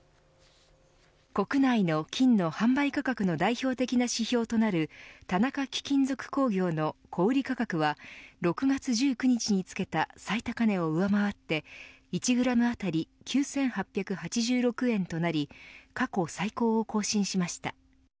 国内の金の販売価格の代表的な指標となる田中貴金属工業の小売り価格は６月１９日につけた最高値を上回って１グラム当たり９８８６円となり過去最高を更新しました。